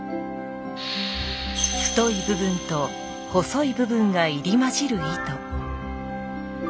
太い部分と細い部分が入り混じる糸。